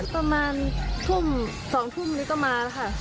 ประมาณทุ่ม๒ทุ่มนี้ก็มาแล้วค่ะ